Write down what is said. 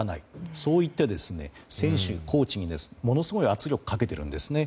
そう言って選手、コーチにものすごい圧力をかけているんですね。